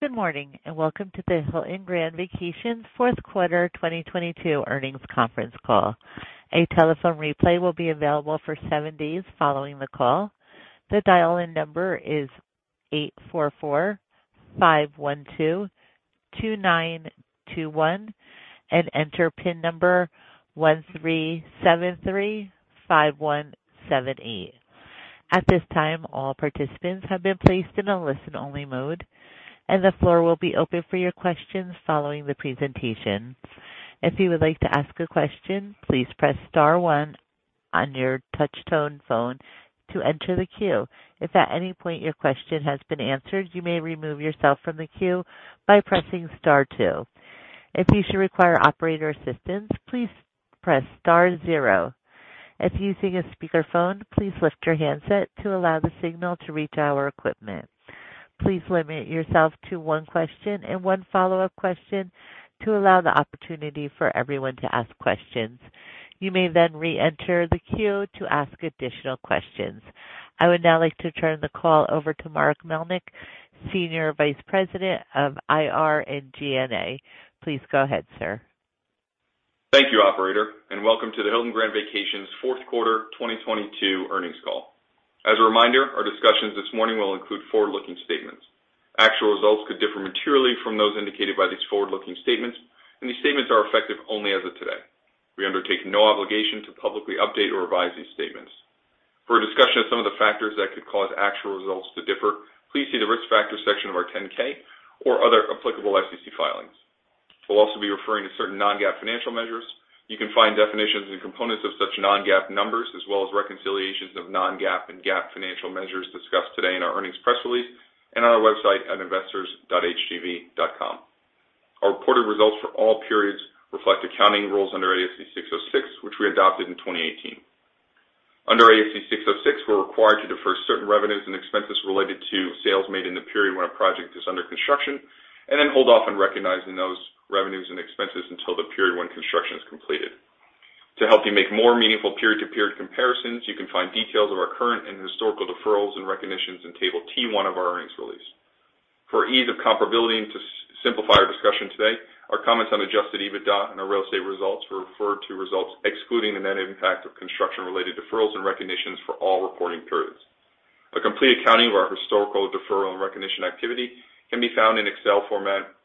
Good morning, and welcome to the Hilton Grand Vacations Fourth Quarter 2022 earnings conference call. A telephone replay will be available for seven days following the call. The dial-in number is 844-512-2921 and enter pin number 13735178. At this time, all participants have been placed in a listen-only mode, and the floor will be open for your questions following the presentation. If you would like to ask a question, please press star one on your touch-tone phone to enter the queue. If at any point your question has been answered, you may remove yourself from the queue by pressing star two. If you should require operator assistance, please press star zero. If using a speakerphone, please lift your handset to allow the signal to reach our equipment. Please limit yourself to one question and one follow-up question to allow the opportunity for everyone to ask questions. You may then reenter the queue to ask additional questions. I would now like to turn the call over to Mark Melnyk, Senior Vice President of IR and G&A. Please go ahead, sir. Thank you, Operator. Welcome to the Hilton Grand Vacations Fourth Quarter 2022 earnings call. As a reminder, our discussions this morning will include forward-looking statements. Actual results could differ materially from those indicated by these forward-looking statements. These statements are effective only as of today. We undertake no obligation to publicly update or revise these statements. For a discussion of some of the factors that could cause actual results to differ, please see the Risk Factors section of our 10-K or other applicable SEC filings. We'll also be referring to certain non-GAAP financial measures. You can find definitions and components of such non-GAAP numbers, as well as reconciliations of non-GAAP and GAAP financial measures discussed today in our earnings press release and on our website at investors.hgv.com. Our reported results for all periods reflect accounting rules under ASC 606, which we adopted in 2018. Under ASC 606, we're required to defer certain revenues and expenses related to sales made in the period when a project is under construction, and then hold off on recognizing those revenues and expenses until the period when construction is completed. To help you make more meaningful period-to-period comparisons, you can find details of our current and historical deferrals and recognitions in table T1 of our earnings release. For ease of comparability and to simplify our discussion today, our comments on Adjusted EBITDA and our real estate results refer to results excluding the net impact of construction-related deferrals and recognitions for all reporting periods. A complete accounting of our historical deferral and recognition activity can be found in Excel format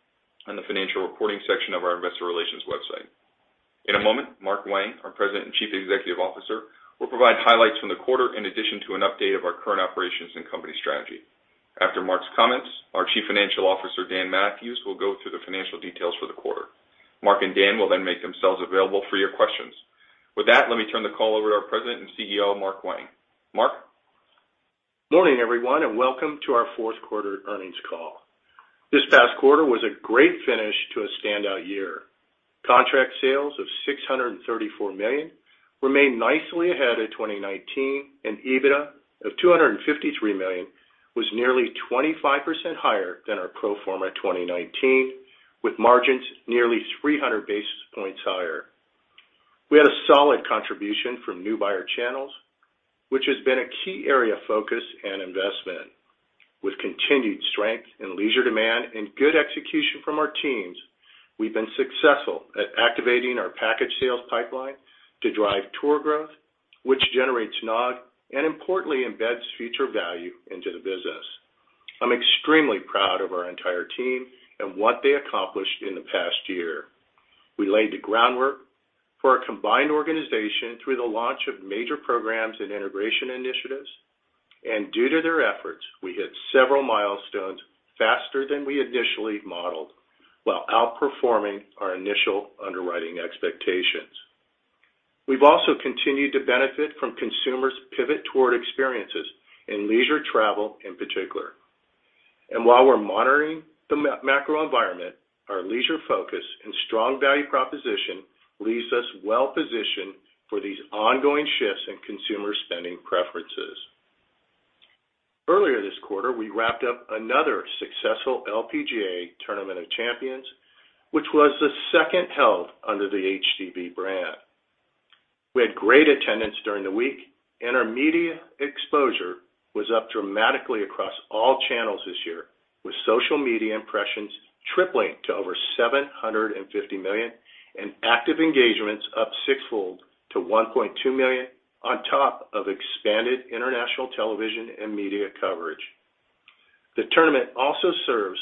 in the financial reporting section of our investor relations website. In a moment, Mark Wang, our President and Chief Executive Officer, will provide highlights from the quarter in addition to an update of our current operations and company strategy. After Mark's comments, our Chief Financial Officer, Dan Mathewes, will go through the financial details for the quarter. Mark and Dan will then make themselves available for your questions. With that, let me turn the call over to our President and CEO, Mark Wang. Mark? Morning, everyone, and welcome to our fourth quarter earnings call. This past quarter was a great finish to a standout year. Contract sales of $634 million remained nicely ahead of 2019, and EBITDA of $253 million was nearly 25% higher than our pro forma 2019, with margins nearly 300 basis points higher. We had a solid contribution from new buyer channels, which has been a key area of focus and investment. With continued strength in leisure demand and good execution from our teams, we've been successful at activating our package sales pipeline to drive tour growth, which generates NOG and importantly embeds future value into the business. I'm extremely proud of our entire team and what they accomplished in the past year. We laid the groundwork for a combined organization through the launch of major programs and integration initiatives, due to their efforts, we hit several milestones faster than we initially modeled while outperforming our initial underwriting expectations. We've also continued to benefit from consumers' pivot toward experiences in leisure travel in particular. While we're monitoring the macro environment, our leisure focus and strong value proposition leaves us well-positioned for these ongoing shifts in consumer spending preferences. Earlier this quarter, we wrapped up another successful LPGA Tournament of Champions, which was the second held under the HGV brand. We had great attendance during the week, our media exposure was up dramatically across all channels this year, with social media impressions tripling to over 750 million and active engagements up six-fold to 1.2 million on top of expanded international television and media coverage. The tournament also serves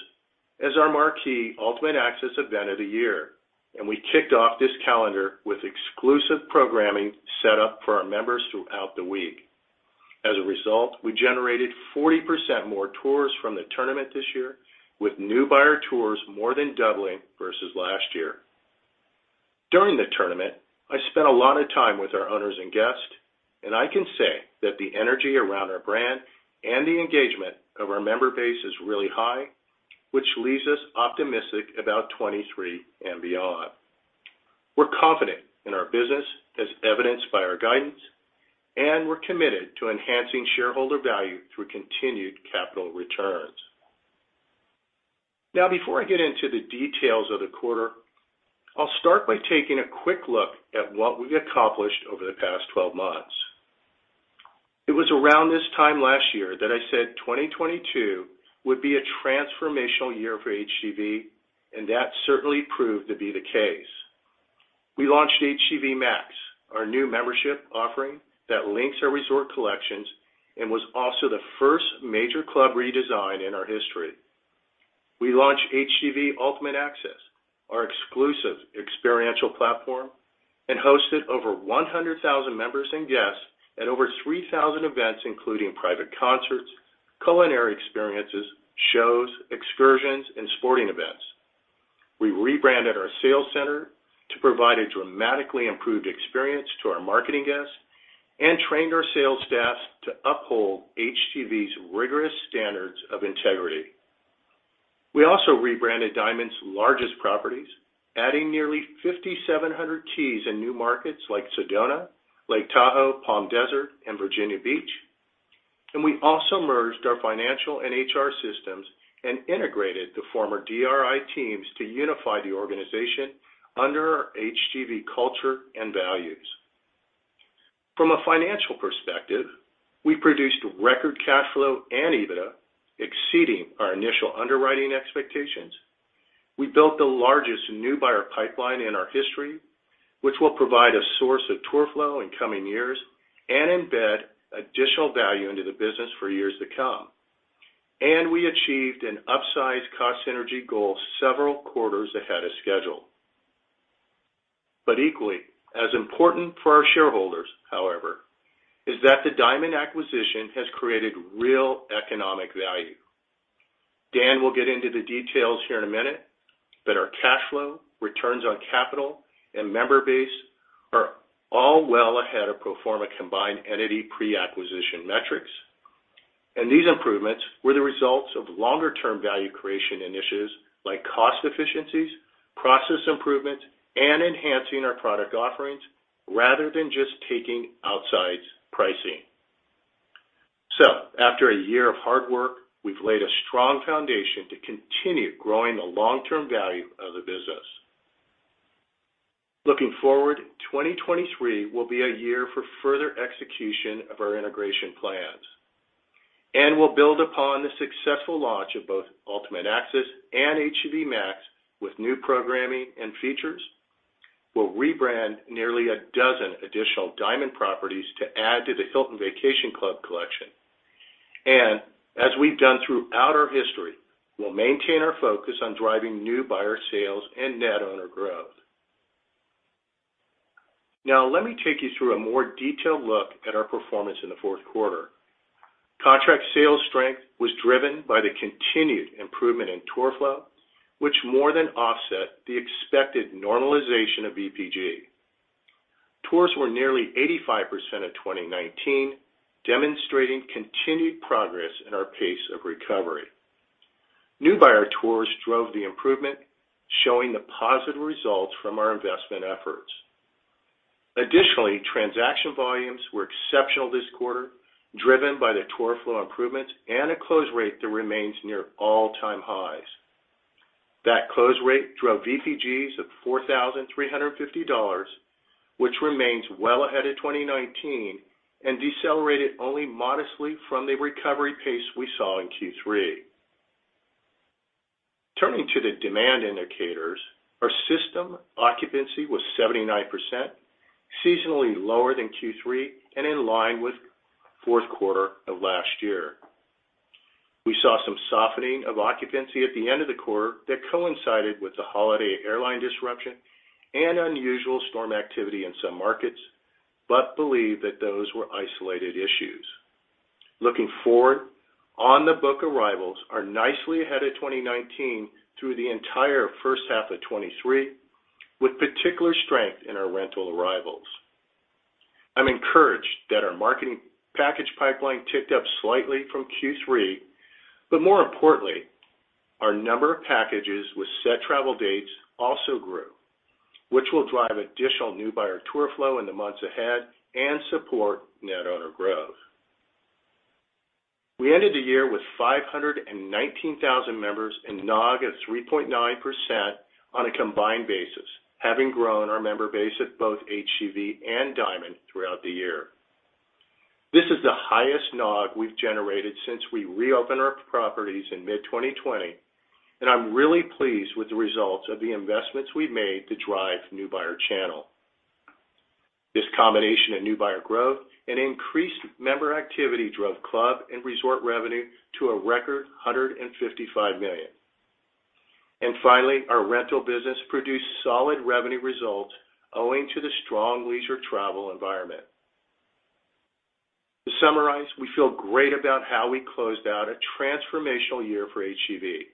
as our marquee HGV Ultimate Access event of the year. We kicked off this calendar with exclusive programming set up for our members throughout the week. As a result, we generated 40% more tours from the tournament this year, with new buyer tours more than doubling versus last year. During the tournament, I spent a lot of time with our owners and guests. I can say that the energy around our brand and the engagement of our member base is really high, which leaves us optimistic about 2023 and beyond. We're confident in our business as evidenced by our guidance. We're committed to enhancing shareholder value through continued capital returns. Before I get into the details of the quarter, I'll start by taking a quick look at what we accomplished over the past 12 months. It was around this time last year that I said 2022 would be a transformational year for HGV, and that certainly proved to be the case. We launched HGV Max, our new membership offering that links our resort collections and was also the first major club redesign in our history. We launched HGV Ultimate Access, our exclusive experiential platform, and hosted over 100,000 members and guests at over 3,000 events, including private concerts, culinary experiences, shows, excursions, and sporting events. We rebranded our sales center to provide a dramatically improved experience to our marketing guests and trained our sales staff to uphold HGV's rigorous standards of integrity. We also rebranded Diamond's largest properties, adding nearly 5,700 keys in new markets like Sedona, Lake Tahoe, Palm Desert, and Virginia Beach. We also merged our financial and HR systems and integrated the former DRI teams to unify the organization under our HGV culture and values. From a financial perspective, we produced record cash flow and EBITDA exceeding our initial underwriting expectations. We built the largest new buyer pipeline in our history, which will provide a source of tour flow in coming years and embed additional value into the business for years to come. We achieved an upsized cost synergy goal several quarters ahead of schedule. Equally, as important for our shareholders, however, is that the Diamond acquisition has created real economic value. Dan will get into the details here in a minute, our cash flow, returns on capital, and member base are all well ahead of pro forma combined entity pre-acquisition metrics. These improvements were the results of longer-term value creation initiatives like cost efficiencies, process improvement, and enhancing our product offerings rather than just taking outside pricing. After a year of hard work, we've laid a strong foundation to continue growing the long-term value of the business. Looking forward, 2023 will be a year for further execution of our integration plans. We'll build upon the successful launch of both Ultimate Access and HGV Max with new programming and features. We'll rebrand nearly a dozen additional Diamond properties to add to the Hilton Vacation Club collection. As we've done throughout our history, we'll maintain our focus on driving new buyer sales and net owner growth. Now let me take you through a more detailed look at our performance in the fourth quarter. Contract sales strength was driven by the continued improvement in tour flow, which more than offset the expected normalization of VPG. Tours were nearly 85% of 2019, demonstrating continued progress in our pace of recovery. New buyer tours drove the improvement, showing the positive results from our investment efforts. Additionally, transaction volumes were exceptional this quarter, driven by the tour flow improvements and a close rate that remains near all-time highs. That close rate drove VPGs of $4,350, which remains well ahead of 2019 and decelerated only modestly from the recovery pace we saw in Q3. Turning to the demand indicators, our system occupancy was 79%, seasonally lower than Q3 and in line with fourth quarter of last year. We saw some softening of occupancy at the end of the quarter that coincided with the holiday airline disruption and unusual storm activity in some markets, but believe that those were isolated issues. Looking forward, on the book arrivals are nicely ahead of 2019 through the entire first half of 2023, with particular strength in our rental arrivals. I'm encouraged that our marketing package pipeline ticked up slightly from Q3, but more importantly, our number of packages with set travel dates also grew, which will drive additional new buyer tour flow in the months ahead and support net owner growth. We ended the year with 519,000 members and NOG at 3.9% on a combined basis, having grown our member base at both HGV and Diamond throughout the year. This is the highest NOG we've generated since we reopened our properties in mid-2020, and I'm really pleased with the results of the investments we've made to drive new buyer channel. This combination of new buyer growth and increased member activity drove club and resort revenue to a record $155 million. Our rental business produced solid revenue results owing to the strong leisure travel environment. We feel great about how we closed out a transformational year for HGV.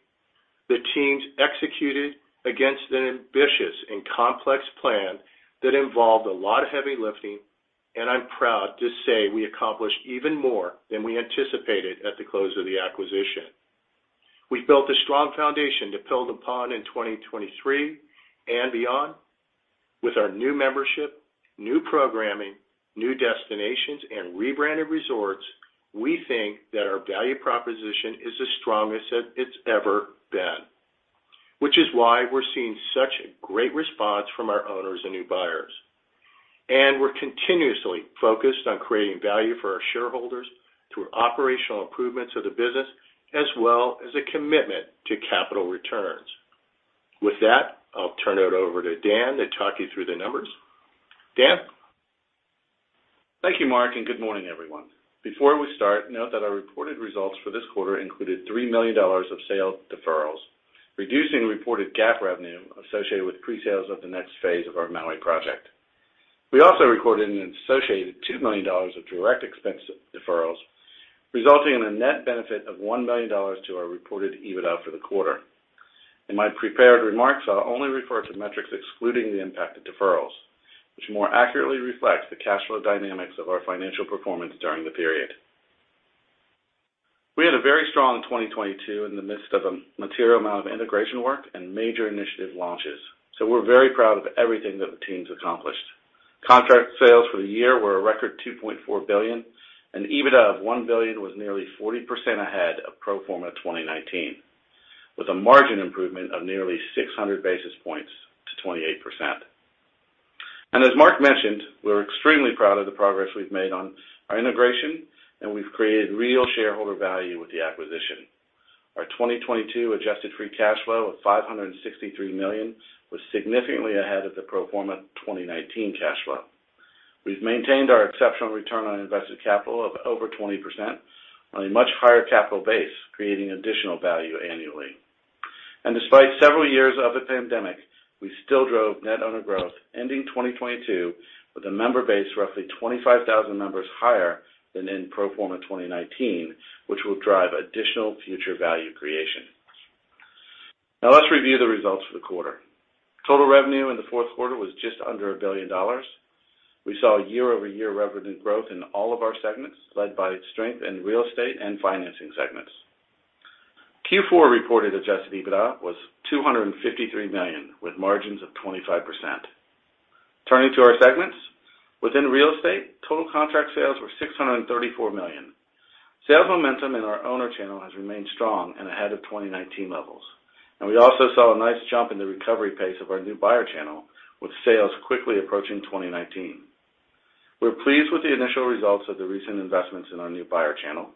The teams executed against an ambitious and complex plan that involved a lot of heavy lifting, and I'm proud to say we accomplished even more than we anticipated at the close of the acquisition. We've built a strong foundation to build upon in 2023 and beyond. With our new membership, new programming, new destinations, and rebranded resorts, we think that our value proposition is the strongest that it's ever been. Which is why we're seeing such a great response from our owners and new buyers. We're continuously focused on creating value for our shareholders through operational improvements of the business as well as a commitment to capital returns. With that, I'll turn it over to Dan to talk you through the numbers. Dan? Thank you, Mark. Good morning, everyone. Before we start, note that our reported results for this quarter included $3 million of sales deferrals, reducing the reported GAAP revenue associated with presales of the next phase of our Maui project. We also recorded an associated $2 million of direct expense deferrals, resulting in a net benefit of $1 million to our reported EBITDA for the quarter. In my prepared remarks, I'll only refer to metrics excluding the impact of deferrals, which more accurately reflects the cash flow dynamics of our financial performance during the period. We had a very strong 2022 in the midst of a material amount of integration work and major initiative launches, so we're very proud of everything that the team's accomplished. Contract sales for the year were a record $2.4 billion. EBITDA of $1 billion was nearly 40% ahead of pro forma 2019, with a margin improvement of nearly 600 basis points to 28%. As Mark mentioned, we're extremely proud of the progress we've made on our integration, and we've created real shareholder value with the acquisition. Our 2022 Adjusted Free Cash Flow of $563 million was significantly ahead of the pro forma 2019 cash flow. We've maintained our exceptional return on invested capital of over 20% on a much higher capital base, creating additional value annually. Despite several years of the pandemic, we still drove net owner growth ending 2022 with a member base roughly 25,000 members higher than in pro forma 2019, which will drive additional future value creation. Now let's review the results for the quarter. Total revenue in the fourth quarter was just under $1 billion. We saw year-over-year revenue growth in all of our segments, led by strength in real estate and financing segments. Q4 reported Adjusted EBITDA was $253 million, with margins of 25%. Turning to our segments, within real estate, total contract sales were $634 million. Sales momentum in our owner channel has remained strong and ahead of 2019 levels. We also saw a nice jump in the recovery pace of our new buyer channel, with sales quickly approaching 2019. We're pleased with the initial results of the recent investments in our new buyer channel.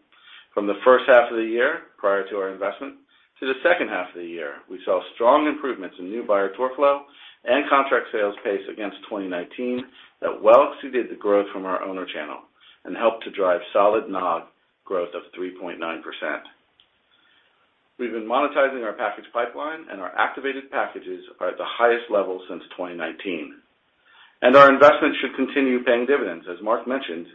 From the first half of the year prior to our investment to the second half of the year, we saw strong improvements in new buyer tour flow and contract sales pace against 2019 that well exceeded the growth from our owner channel and helped to drive solid NOG growth of 3.9%. We've been monetizing our package pipeline, Our activated packages are at the highest level since 2019. Our investment should continue paying dividends. As Mark mentioned,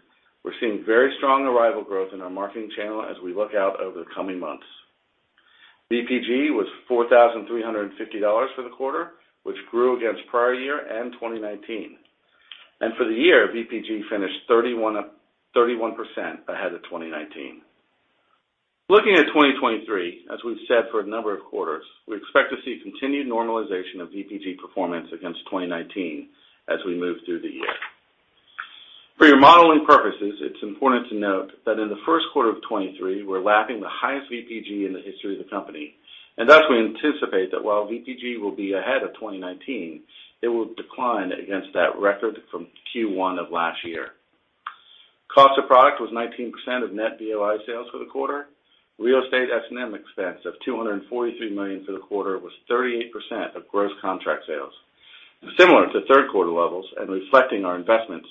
we're seeing very strong arrival growth in our marketing channel as we look out over the coming months. VPG was $4,350 for the quarter, which grew against prior year and 2019. For the year, VPG finished 31% ahead of 2019. Looking at 2023, as we've said for a number of quarters, we expect to see continued normalization of VPG performance against 2019 as we move through the year. For your modeling purposes, it's important to note that in the first quarter of 23, we're lapping the highest VPG in the history of the company, and thus we anticipate that while VPG will be ahead of 2019, it will decline against that record from Q1 of last year. Cost of product was 19% of net VOI sales for the quarter. Real estate S&M expense of $243 million for the quarter was 38% of gross contract sales, similar to third quarter levels and reflecting our investments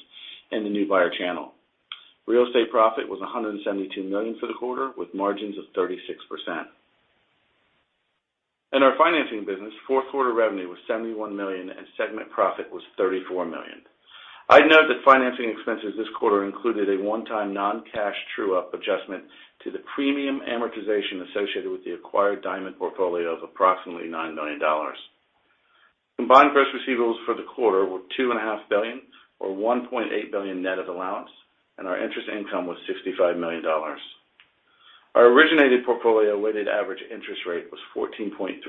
in the new buyer channel. Real estate profit was $172 million for the quarter, with margins of 36%. In our financing business, fourth quarter revenue was $71 million, and segment profit was $34 million. I'd note that financing expenses this quarter included a one-time non-cash true-up adjustment to the premium amortization associated with the acquired Diamond portfolio of approximately $9 million. Combined gross receivables for the quarter were $2.5 billion, or $1.8 billion net of allowance, and our interest income was $65 million. Our originated portfolio weighted average interest rate was 14.3%,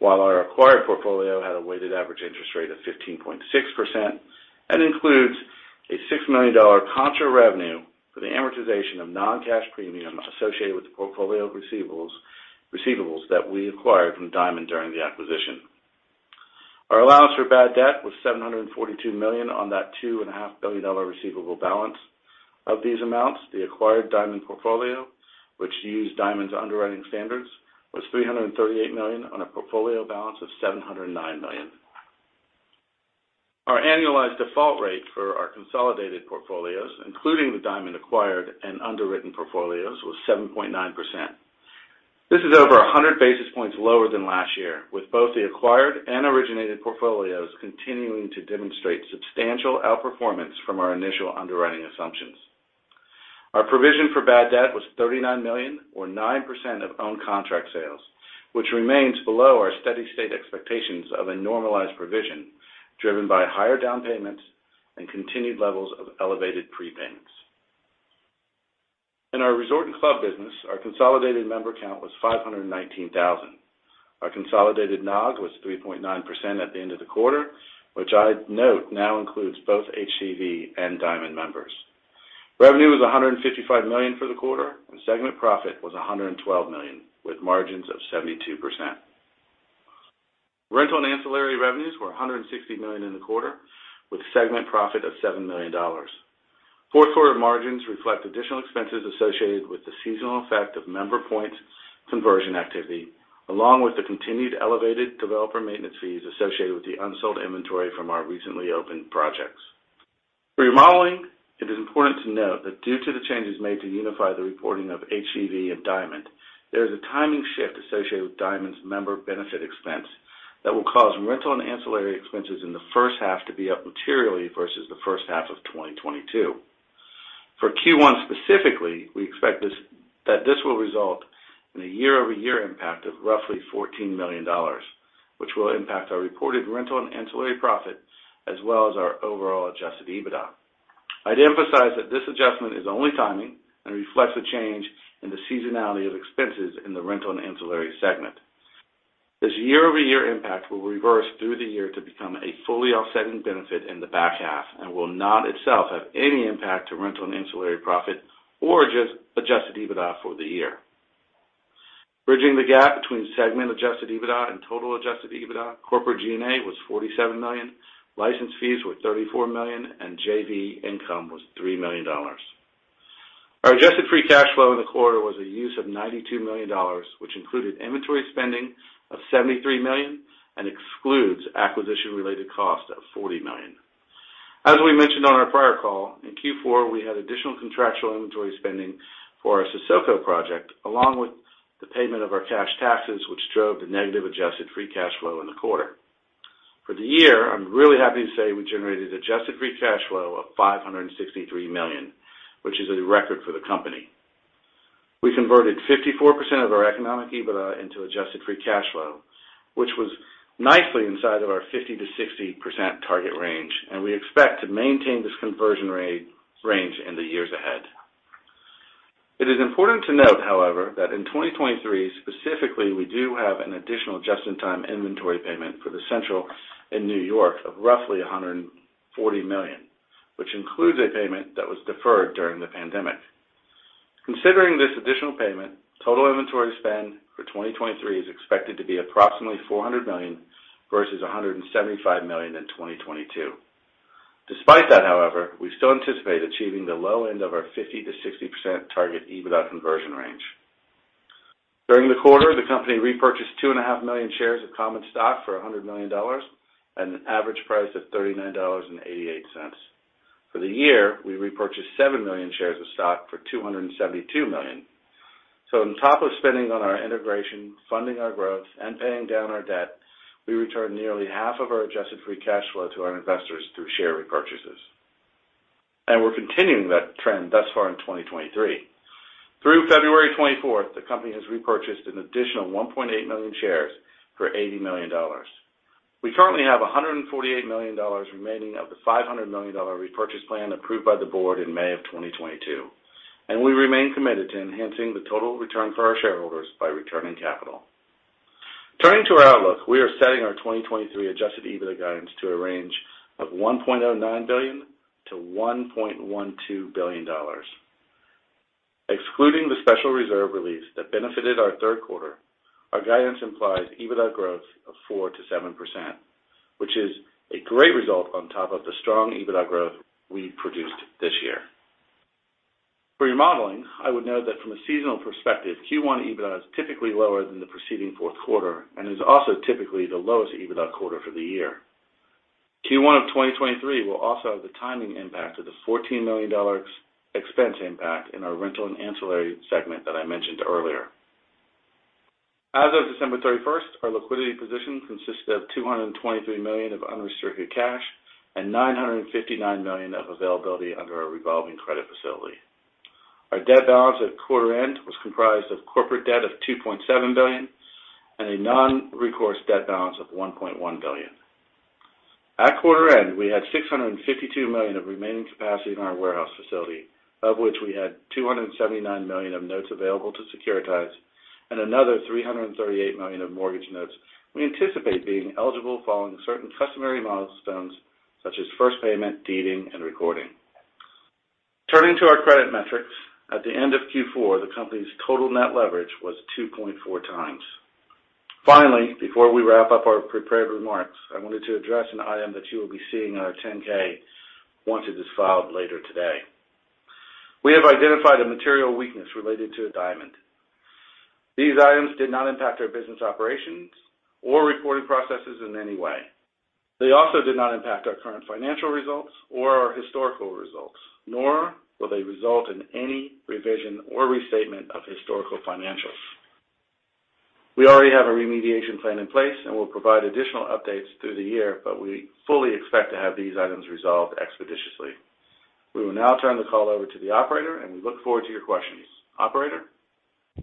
while our acquired portfolio had a weighted average interest rate of 15.6% and includes a $6 million contra revenue for the amortization of non-cash premium associated with the portfolio of receivables that we acquired from Diamond during the acquisition. Our allowance for bad debt was $742 million on that $2.5 billion receivable balance. Of these amounts, the acquired Diamond portfolio, which used Diamond's underwriting standards, was $338 million on a portfolio balance of $709 million. Our annualized default rate for our consolidated portfolios, including the Diamond acquired and underwritten portfolios, was 7.9%. This is over 100 basis points lower than last year, with both the acquired and originated portfolios continuing to demonstrate substantial outperformance from our initial underwriting assumptions. Our provision for bad debt was $39 million or 9% of owned contract sales, which remains below our steady-state expectations of a normalized provision driven by higher down payments and continued levels of elevated prepayments. In our resort and club business, our consolidated member count was 519,000. Our consolidated NOG was 3.9% at the end of the quarter, which I'd note now includes both HGV and Diamond members. Revenue was $155 million for the quarter, and segment profit was $112 million, with margins of 72%. Rental and ancillary revenues were $160 million in the quarter, with a segment profit of $7 million. Fourth quarter margins reflect additional expenses associated with the seasonal effect of member points conversion activity, along with the continued elevated developer maintenance fees associated with the unsold inventory from our recently opened projects. For remodeling, it is important to note that due to the changes made to unify the reporting of HGV and Diamond, there is a timing shift associated with Diamond's member benefit expense that will cause rental and ancillary expenses in the first half to be up materially versus the first half of 2022. For Q1 specifically, we expect that this will result in a year-over-year impact of roughly $14 million, which will impact our reported rental and ancillary profit as well as our overall Adjusted EBITDA. I'd emphasize that this adjustment is only timing and reflects a change in the seasonality of expenses in the rental and ancillary segment. This year-over-year impact will reverse through the year to become a fully offsetting benefit in the back half and will not itself have any impact to rental and ancillary profit or Adjusted EBITDA for the year. Bridging the gap between segment Adjusted EBITDA and total Adjusted EBITDA, corporate G&A was $47 million, license fees were $34 million, JV income was $3 million. Our Adjusted Free Cash Flow in the quarter was a use of $92 million, which included inventory spending of $73 million and excludes acquisition-related costs of $40 million. As we mentioned on our prior call, in Q4 we had additional contractual inventory spending for our Sesoko project, along with the payment of our cash taxes, which drove the negative Adjusted Free Cash Flow in the quarter. For the year, I'm really happy to say we generated Adjusted Free Cash Flow of $563 million, which is a record for the company. We converted 54% of our economic EBITDA into Adjusted Free Cash Flow, which was nicely inside of our 50%-60% target range. We expect to maintain this conversion range in the years ahead. It is important to note, however, that in 2023 specifically, we do have an additional just-in-time inventory payment for The Central in New York of roughly $140 million, which includes a payment that was deferred during the pandemic. Considering this additional payment, total inventory spend for 2023 is expected to be approximately $400 million versus $175 million in 2022. Despite that, however, we still anticipate achieving the low end of our 50%-60% target EBITDA conversion range. During the quarter, the company repurchased 2.5 million shares of common stock for $100 million at an average price of $39.88. For the year, we repurchased 7 million shares of stock for $272 million. On top of spending on our integration, funding our growth, and paying down our debt, we returned nearly half of our Adjusted Free Cash Flow to our investors through share repurchases. We're continuing that trend thus far in 2023. Through February 24th, the company has repurchased an additional 1.8 million shares for $80 million. We currently have $148 million remaining of the $500 million repurchase plan approved by the board in May of 2022, and we remain committed to enhancing the total return for our shareholders by returning capital. Turning to our outlook, we are setting our 2023 Adjusted EBITDA guidance to a range of $1.09 billion-$1.12 billion. Excluding the special reserve release that benefited our third quarter, our guidance implies EBITDA growth of 4%-7%, which is a great result on top of the strong EBITDA growth we produced this year. For your modeling, I would note that from a seasonal perspective, Q1 EBITDA is typically lower than the preceding fourth quarter and is also typically the lowest EBITDA quarter for the year. Q1 of 2023 will also have the timing impact of the $14 million expense impact in our rental and ancillary segment that I mentioned earlier. As of December 31st, our liquidity position consisted of $223 million of unrestricted cash and $959 million of availability under our revolving credit facility. Our debt balance at quarter end was comprised of corporate debt of $2.7 billion and a non-recourse debt balance of $1.1 billion. At quarter end, we had $652 million of remaining capacity in our warehouse facility, of which we had $279 million of notes available to securitize and another $338 million of mortgage notes we anticipate being eligible following certain customary milestones such as first payment, deeding, and recording. Turning to our credit metrics, at the end of Q4, the company's total net leverage was 2.4 times. Finally, before we wrap up our prepared remarks, I wanted to address an item that you will be seeing on our 10-K once it is filed later today. We have identified a material weakness related to Diamond. These items did not impact our business operations or reporting processes in any way. They also did not impact our current financial results or our historical results, nor will they result in any revision or restatement of historical financials. We already have a remediation plan in place and will provide additional updates through the year, but we fully expect to have these items resolved expeditiously. We will now turn the call over to the operator, and we look forward to your questions. Operator?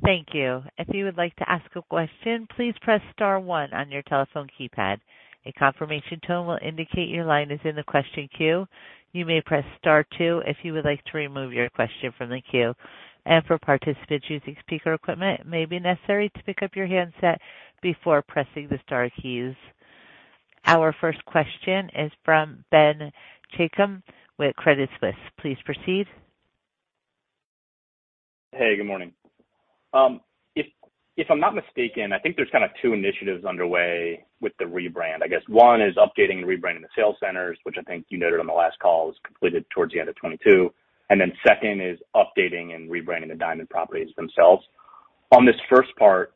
Thank you. If you would like to ask a question, please press star one on your telephone keypad. A confirmation tone will indicate your line is in the question queue. You may press star two if you would like to remove your question from the queue. For participants using speaker equipment, it may be necessary to pick up your handset before pressing the star keys. Our first question is from Ben Chaiken with Credit Suisse. Please proceed. Hey, good morning. If I'm not mistaken, I think there's kinda two initiatives underway with the rebrand. I guess one is updating and rebranding the sales centers, which I think you noted on the last call was completed towards the end of 2022. Second is updating and rebranding the Diamond properties themselves. On this first part,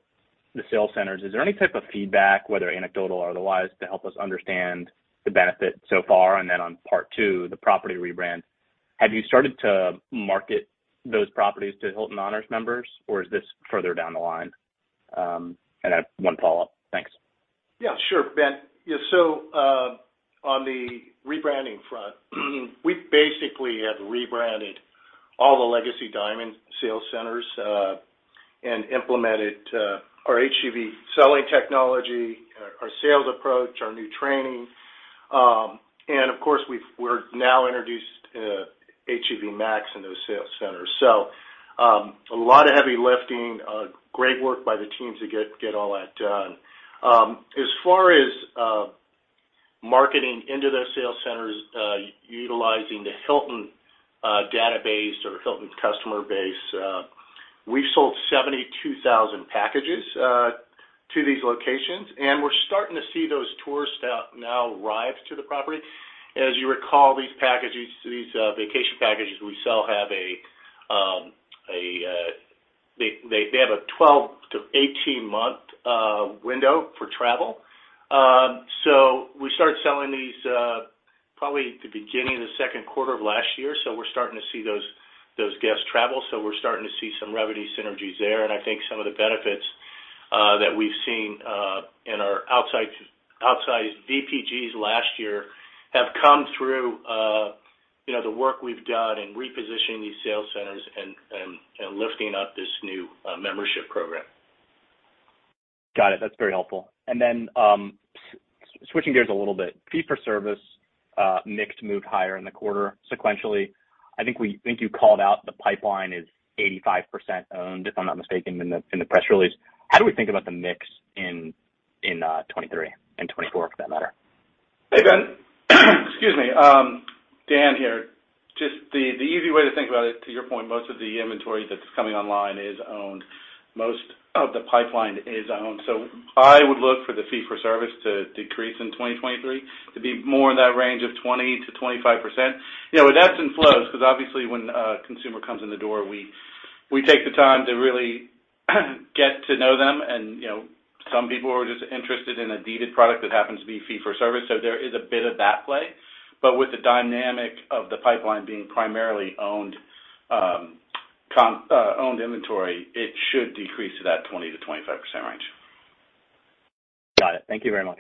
the sales centers, is there any type of feedback, whether anecdotal or otherwise, to help us understand the benefit so far? On part two, the property rebrand, have you started to market those properties to Hilton Honors members, or is this further down the line? I have one follow-up. Thanks. Yeah, sure, Ben. On the rebranding front, we basically have rebranded all the legacy Diamond sales centers, implemented our HGV selling technology, our sales approach, our new training. Of course, we're now introduced HGV Max into those sales centers. A lot of heavy lifting, great work by the teams to get all that done. As far as marketing into those sales centers, utilizing the Hilton database or Hilton customer base, we've sold 72,000 packages to these locations, and we're starting to see those tourists out now arrive to the property. As you recall, these packages, these vacation packages we sell have a 12-18 month window for travel. We started selling these, probably the beginning of the second quarter of last year. We're starting to see those guests travel. We're starting to see some revenue synergies there. I think some of the benefits that we've seen in our outside VPGs last year have come through the work we've done in repositioning these sales centers and lifting up this new membership program. Got it. That's very helpful. Then switching gears a little bit. Fee-for-service mix moved higher in the quarter sequentially. I think you called out the pipeline is 85% owned, if I'm not mistaken, in the press release. How do we think about the mix in 2023 and 2024 for that matter? Hey, Ben. Excuse me. Dan here. Just the easy way to think about it, to your point, most of the inventory that's coming online is owned. Most of the pipeline is owned. I would look for the fee-for-service to decrease in 2023 to be more in that range of 20%-25%. You know, it ebbs and flows because obviously when a consumer comes in the door, we take the time to really get to know them. You know, some people are just interested in a deeded product that happens to be fee-for-service. There is a bit of that play. With the dynamic of the pipeline being primarily owned inventory, it should decrease to that 20%-25% range. Got it. Thank you very much.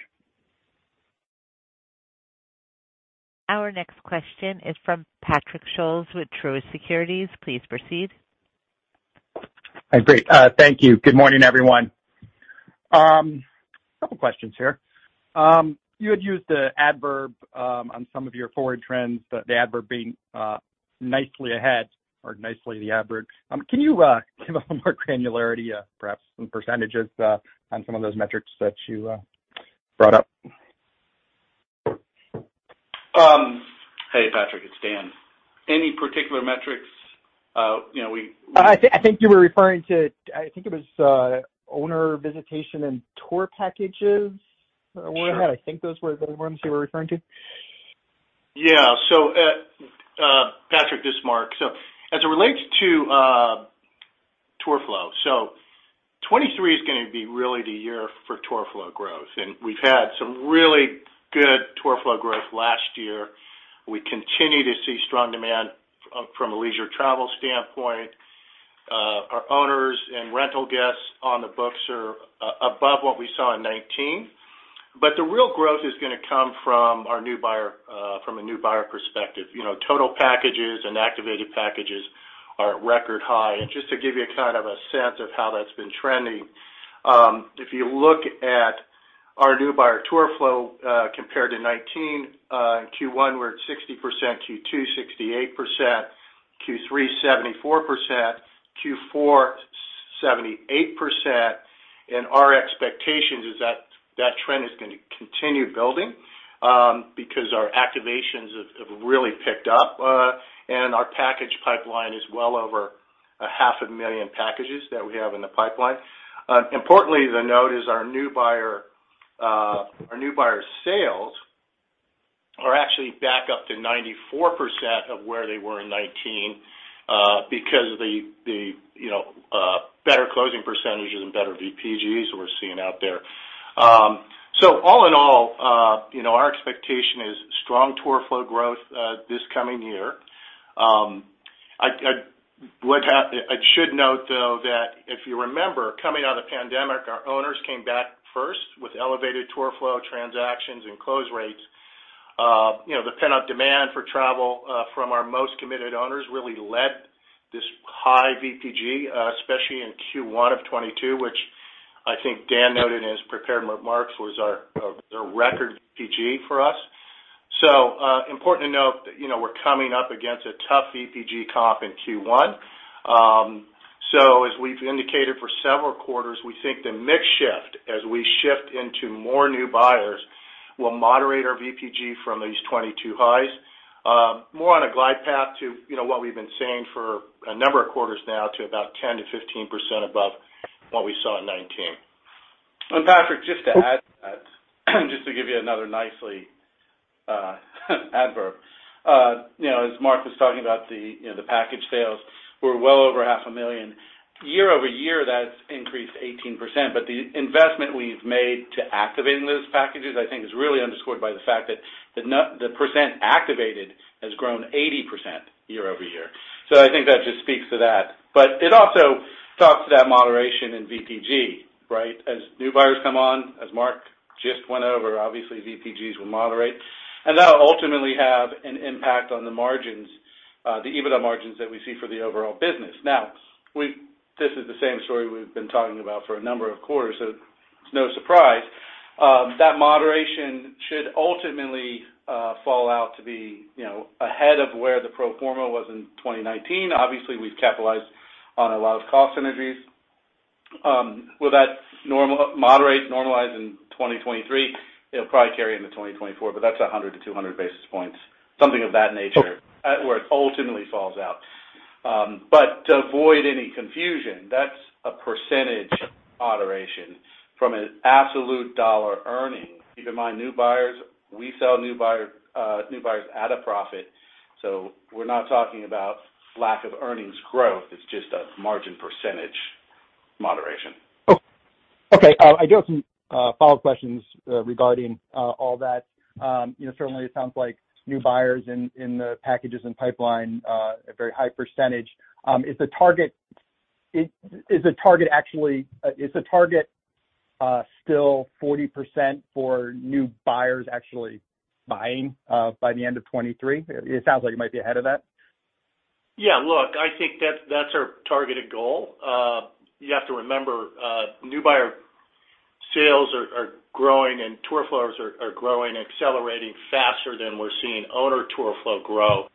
Our next question is from Patrick Scholes with Truist Securities. Please proceed. Hi, great. Thank you. Good morning, everyone. Couple questions here. You had used the adverb on some of your forward trends, the adverb being nicely ahead or nicely the adverb. Can you give a little more granularity, perhaps some percentages on some of those metrics that you brought up? Hey, Patrick. It's Dan. Any particular metrics, you know. I think you were referring to, I think it was owner visitation and tour packages. Sure. I think those were the ones you were referring to. Patrick, this is Mark. As it relates to tour flow, 2023 is gonna be really the year for tour flow growth, and we've had some really good tour flow growth last year. We continue to see strong demand from a leisure travel standpoint. Our owners and rental guests on the books are above what we saw in 2019. The real growth is gonna come from our new buyer, from a new buyer perspective. You know, total packages and activated packages are at record high. Just to give you kind of a sense of how that's been trending, if you look at our new buyer tour flow, compared to 2019, in Q1 we're at 60%, Q2 68%, Q3 74%, Q4 78%. Our expectations is that that trend is gonna continue building, because our activations have really picked up, and our package pipeline is well over a half a million packages that we have in the pipeline. Importantly to note is our new buyer, our new buyer sales are actually back up to 94% of where they were in 2019, because of the, you know, better closing percentages and better VPGs we're seeing out there. All in all, you know, our expectation is strong tour flow growth, this coming year. I should note, though, that if you remember, coming out of the pandemic, our owners came back first with elevated tour flow transactions and close rates. You know, the pent-up demand for travel from our most committed owners really led this high VPG, especially in Q1 2022, which I think Dan noted in his prepared remarks, was our a record VPG for us. Important to note that, you know, we're coming up against a tough VPG comp in Q1. As we've indicated for several quarters, we think the mix shift as we shift into more new buyers will moderate our VPG from these 2022 highs. More on a glide path to, you know, what we've been saying for a number of quarters now to about 10%-15% above what we saw in 2019. Patrick, just to add to that, just to give you another nicely adverb. You know, as Mark was talking about the, you know, the package sales were well over half a million. Year-over-year, that's increased 18%. The investment we've made to activating those packages, I think is really underscored by the fact that the percent activated has grown 80% year-over-year. I think that just speaks to that. It also talks to that moderation in VPG, right? As new buyers come on, as Mark just went over, obviously VPGs will moderate, and that'll ultimately have an impact on the margins, the EBITDA margins that we see for the overall business. This is the same story we've been talking about for a number of quarters, so it's no surprise. That moderation should ultimately fall out to be, you know, ahead of where the pro forma was in 2019. Obviously, we've capitalized on a lot of cost synergies. Will that moderate, normalize in 2023? It'll probably carry into 2024, but that's 100-200 basis points, something of that nature, where it ultimately falls out. To avoid any confusion, that's a percentage moderation from an absolute dollar earning. Keep in mind, new buyers, we sell new buyers at a profit, so we're not talking about lack of earnings growth, it's just a margin percentage moderation. I do have some follow-up questions regarding all that. You know, certainly it sounds like new buyers in the packages and pipeline, a very high percentage. Is the target actually still 40% for new buyers actually buying by the end of 2023? It sounds like it might be ahead of that. Yeah, look, I think that's our targeted goal. You have to remember, new buyer sales are growing and tour flows are growing, accelerating faster than we're seeing owner tour flow grow.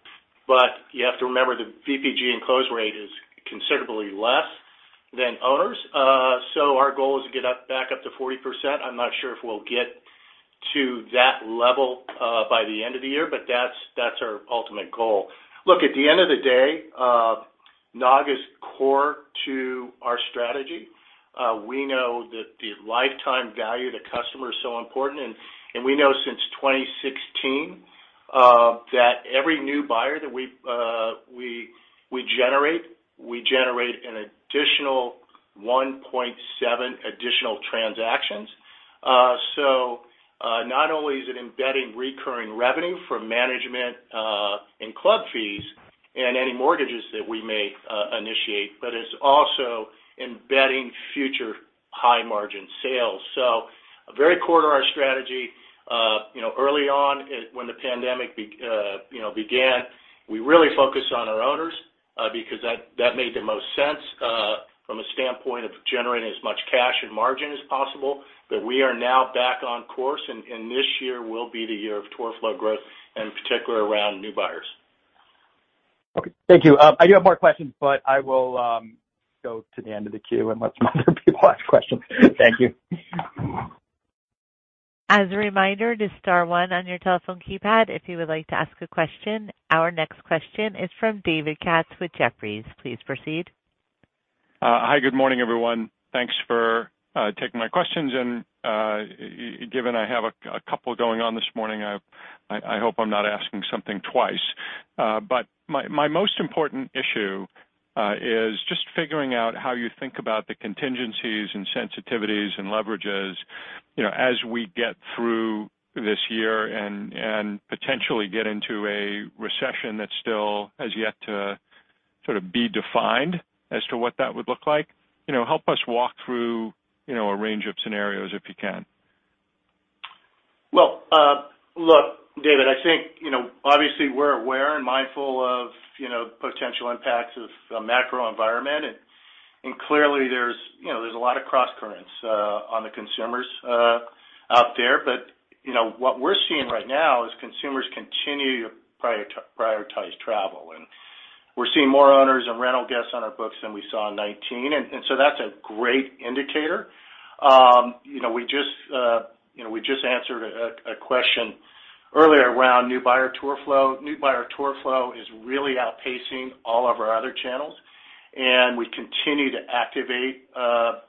You have to remember, the VPG and close rate is considerably less than owners. Our goal is to get back up to 40%. I'm not sure if we'll get to that level by the end of the year, but that's our ultimate goal. Look, at the end of the day, NOG is core to our strategy. We know that the lifetime value of the customer is so important. We know since 2016, that every new buyer that we generate, we generate an additional 1.7 additional transactions. Not only is it embedding recurring revenue from management, and club fees and any mortgages that we may initiate, but it's also embedding future high margin sales. A very core to our strategy. You know, early on when the pandemic began, we really focused on our owners, because that made the most sense, from a standpoint of generating as much cash and margin as possible. We are now back on course and this year will be the year of tour flow growth, and in particular around new buyers. Okay. Thank you. I do have more questions, but I will go to the end of the queue and let some other people ask questions. Thank you. As a reminder to star one on your telephone keypad if you would like to ask a question. Our next question is from David Katz with Jefferies. Please proceed. Hi. Good morning, everyone. Thanks for taking my questions. Given I have a couple going on this morning, I hope I'm not asking something twice. My most important issue is just figuring out how you think about the contingencies and sensitivities and leverages, you know, as we get through this year and potentially get into a recession that still has yet to sort of be defined as to what that would look like. You know, help us walk through, you know, a range of scenarios if you can. Well, look, David, I think, you know, obviously we're aware and mindful of, you know, potential impacts of the macro environment. Clearly there's, you know, there's a lot of crosscurrents on the consumers out there. You know, what we're seeing right now is consumers continue to prioritize travel. We're seeing more owners and rental guests on our books than we saw in 2019, and so that's a great indicator. You know, we just, you know, we just answered a question earlier around new buyer tour flow. New buyer tour flow is really outpacing all of our other channels, and we continue to activate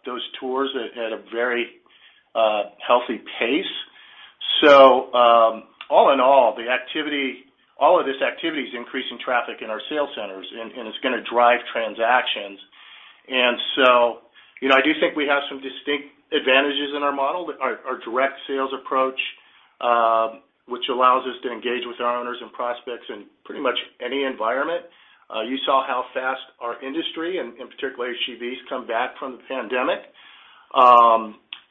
those tours at a very healthy pace. All in all of this activity is increasing traffic in our sales centers and it's gonna drive transactions. You know, I do think we have some distinct advantages in our model. Our direct sales approach, which allows us to engage with our owners and prospects in pretty much any environment. You saw how fast our industry and particularly HGVs come back from the pandemic.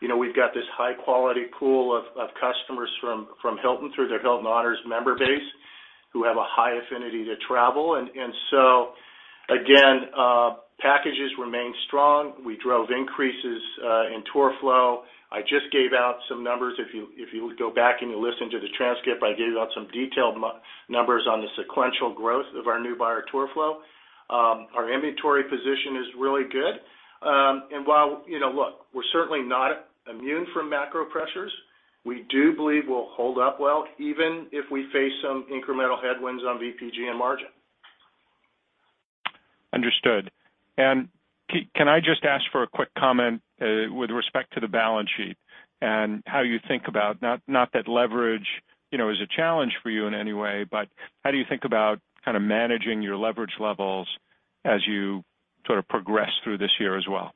You know, we've got this high quality pool of customers from Hilton through their Hilton Honors member base. Who have a high affinity to travel. Again, packages remain strong. We drove increases in tour flow. I just gave out some numbers. If you go back and you listen to the transcript, I gave out some detailed numbers on the sequential growth of our new buyer tour flow. Our inventory position is really good. While, you know, look, we're certainly not immune from macro pressures, we do believe we'll hold up well, even if we face some incremental headwinds on VPG and margin. Understood. Can I just ask for a quick comment with respect to the balance sheet and how you think about, not that leverage, you know, is a challenge for you in any way, but how do you think about kind of managing your leverage levels as you sort of progress through this year as well?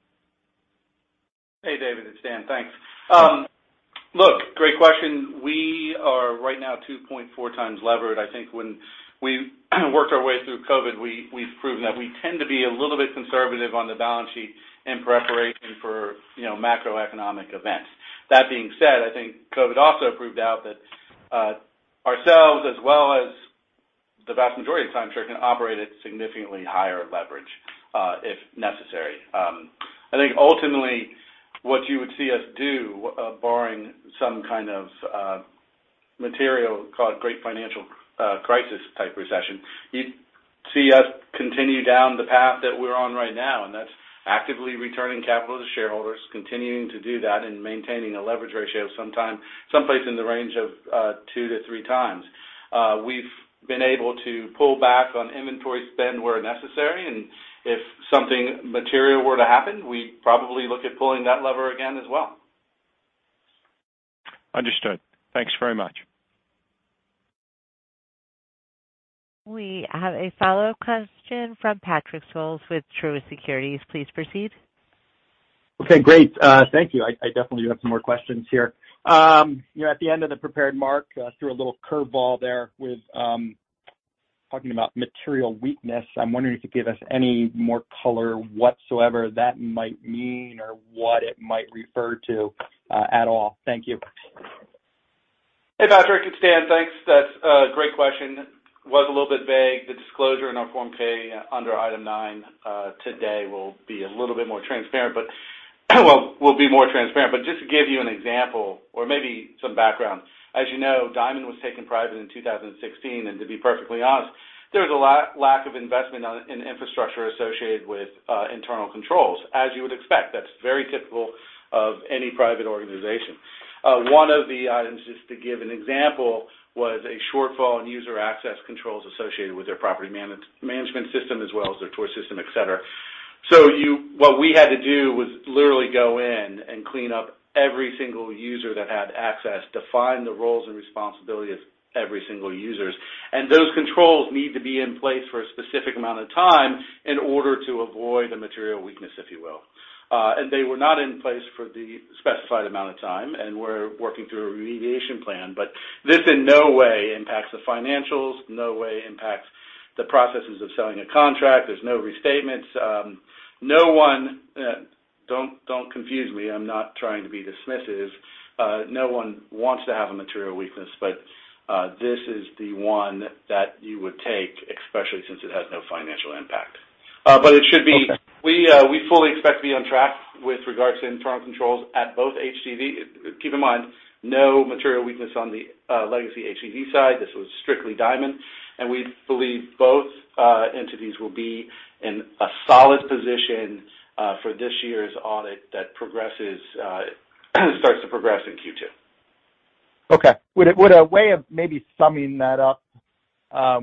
Hey, David, it's Dan. Thanks. Look, great question. We are right now 2.4 times levered. I think when we worked our way through COVID, we've proven that we tend to be a little bit conservative on the balance sheet in preparation for, you know, macroeconomic events. That being said, I think COVID also proved out that ourselves, as well as the vast majority of timeshare, can operate at significantly higher leverage if necessary. I think ultimately what you would see us do, barring some kind of material called great financial crisis type recession, you'd see us continue down the path that we're on right now, and that's actively returning capital to shareholders, continuing to do that, and maintaining a leverage ratio someplace in the range of two to three times. We've been able to pull back on inventory spend where necessary, and if something material were to happen, we'd probably look at pulling that lever again as well. Understood. Thanks very much. We have a follow-up question from Patrick Scholes with Truist Securities. Please proceed. Okay, great. Thank you. I definitely do have some more questions here. You know, at the end of the prepared, Mark threw a little curve ball there with talking about material weakness. I'm wondering if you could give us any more color whatsoever that might mean or what it might refer to at all. Thank you. Hey, Patrick, it's Dan. Thanks. That's a great question. Was a little bit vague. The disclosure in our Form 10-K under item nine today will be a little bit more transparent but will be more transparent. Just to give you an example or maybe some background, as you know, Diamond was taken private in 2016, and to be perfectly honest, there was a lack of investment in infrastructure associated with internal controls. As you would expect, that's very typical of any private organization. One of the items, just to give an example, was a shortfall in user access controls associated with their property management system as well as their tour system, et cetera. What we had to do was literally go in and clean up every single user that had access, define the roles and responsibilities of every single users. Those controls need to be in place for a specific amount of time in order to avoid a material weakness, if you will. They were not in place for the specified amount of time, and we're working through a remediation plan, but this in no way impacts the financials, no way impacts the processes of selling a contract. There's no restatements. Don't confuse me. I'm not trying to be dismissive. No one wants to have a material weakness, but this is the one that you would take, especially since it has no financial impact. Okay. We fully expect to be on track with regards to internal controls at both HGV. Keep in mind, no material weakness on the legacy HGV side. This was strictly Diamond. We believe both entities will be in a solid position for this year's audit that progresses, starts to progress in Q2. Okay. Would a way of maybe summing that up,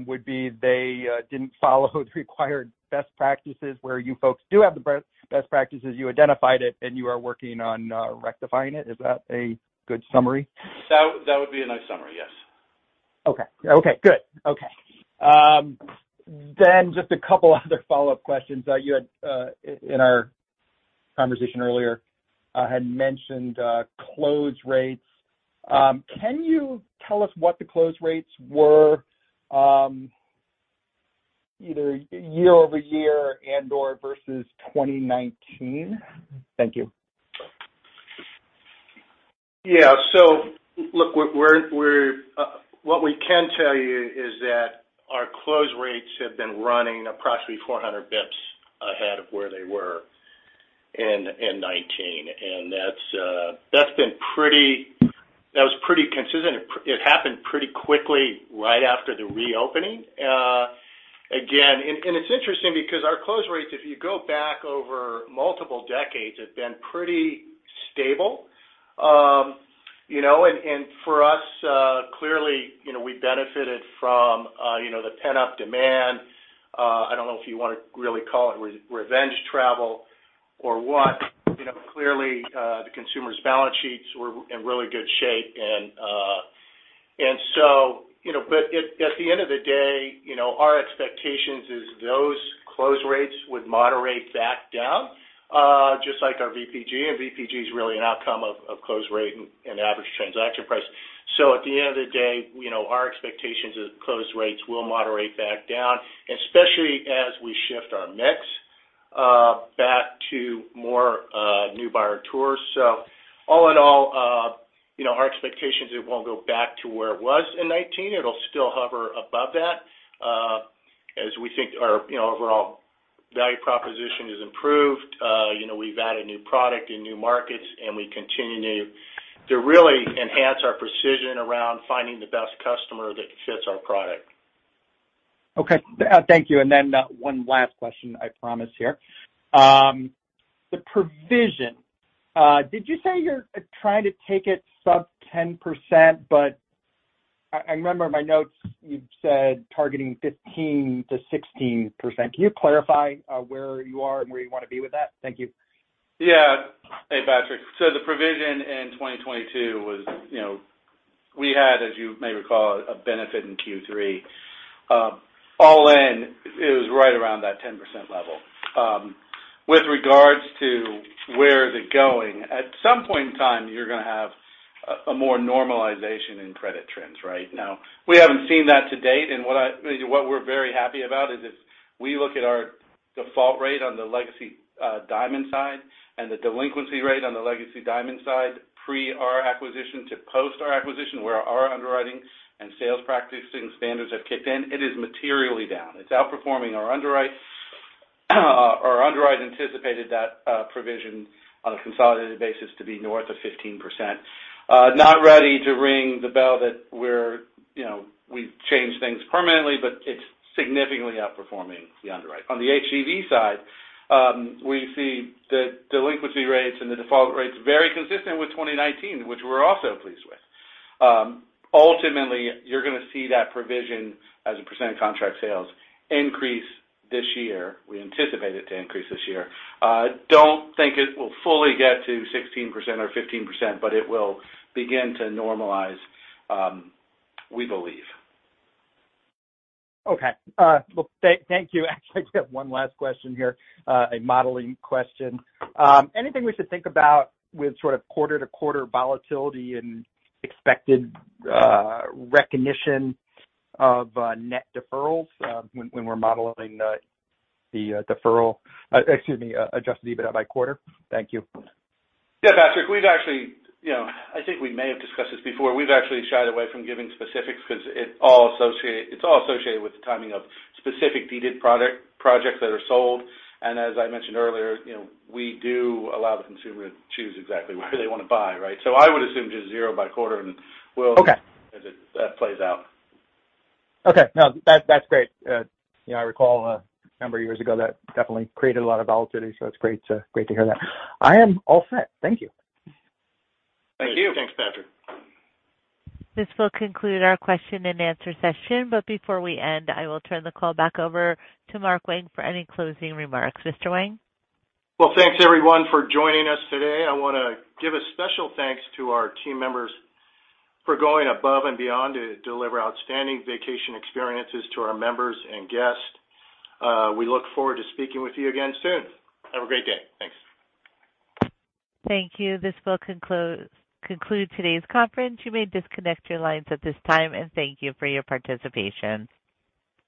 would be they didn't follow the required best practices where you folks do have the best practices, you identified it, and you are working on rectifying it. Is that a good summary? That would be a nice summary, yes. Okay. Okay, good. Okay. Just a couple other follow-up questions. You had in our conversation earlier, had mentioned close rates. Can you tell us what the close rates were, either year-over-year and/or versus 2019? Thank you. Yeah. Look, we're What we can tell you is that our close rates have been running approximately 400 basis points ahead of where they were in 2019. That was pretty consistent. It happened pretty quickly right after the reopening. Again, it's interesting because our close rates, if you go back over multiple decades, have been pretty stable. You know, for us, clearly, you know, we benefited from, you know, the pent-up demand. I don't know if you wanna really call it revenge travel or what. You know, clearly, the consumers' balance sheets were in really good shape. You know, but at the end of the day, you know, our expectations is those close rates would moderate back down, just like our VPG. VPG is really an outcome of close rate and average transaction price. At the end of the day, you know, our expectations is close rates will moderate back down, especially as we shift our mix, new buyer tours. All in all, you know, our expectations, it won't go back to where it was in 2019. It'll still hover above that, as we think our, you know, overall value proposition is improved. You know, we've added new product in new markets, and we continue to really enhance our precision around finding the best customer that fits our product. Okay. Thank you. One last question, I promise here. The provision, did you say you're trying to take it sub 10%, but I remember in my notes you said targeting 15%-16%? Can you clarify, where you are and where you wanna be with that? Thank you. Yeah. Hey, Patrick. The provision in 2022 was, you know, we had, as you may recall, a benefit in Q3. All in, it was right around that 10% level. With regards to where is it going, at some point in time, you're gonna have a more normalization in credit trends, right? We haven't seen that to date, and what we're very happy about is if we look at our default rate on the legacy Diamond side and the delinquency rate on the legacy Diamond side pre our acquisition to post our acquisition, where our underwriting and sales practices and standards have kicked in, it is materially down. It's outperforming our underwrite. Our underwrite anticipated that provision on a consolidated basis to be north of 15%. Not ready to ring the bell that we're, you know, we've changed things permanently, but it's significantly outperforming the underwrite. On the HGV side, we see the delinquency rates and the default rates very consistent with 2019, which we're also pleased with. Ultimately, you're gonna see that provision as a percent of contract sales increase this year. We anticipate it to increase this year. Don't think it will fully get to 16% or 15%, but it will begin to normalize, we believe. Well, thank you. Actually, I have one last question here, a modeling question. Anything we should think about with sort of quarter-to-quarter volatility and expected recognition of net deferrals, when we're modeling the deferral-- excuse me, Adjusted EBITDA by quarter? Thank you. Yeah, Patrick, we've actually, you know, I think we may have discussed this before. We've actually shied away from giving specifics because it's all associated with the timing of specific deeded projects that are sold. As I mentioned earlier, you know, we do allow the consumer to choose exactly where they wanna buy, right? I would assume just zero by quarter. Okay. As that plays out. Okay. No, that's great. You know, I recall a number of years ago that definitely created a lot of volatility, so it's great to, great to hear that. I am all set. Thank you. Thank you. Thanks, Patrick. This will conclude our question-and-answer session, but before we end, I will turn the call back over to Mark Wang for any closing remarks. Mr. Wang? Well, thanks everyone for joining us today. I wanna give a special thanks to our team members for going above and beyond to deliver outstanding vacation experiences to our members and guests. We look forward to speaking with you again soon. Have a great day. Thanks. Thank you. This will conclude today's conference. You may disconnect your lines at this time. Thank you for your participation.